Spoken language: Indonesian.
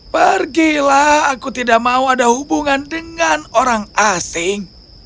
pergilah aku tidak mau ada hubungan dengan orang asing